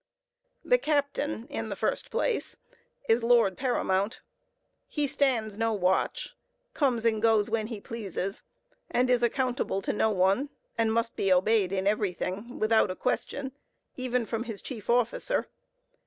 The captain, in the first place, is lord paramount. He stands no watch, comes and goes when he pleases, and is accountable to no one, and must be obeyed in everything, without a question, even from his chief officer.